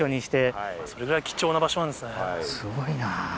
すごいな。